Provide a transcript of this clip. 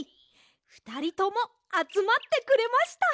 ふたりともあつまってくれました。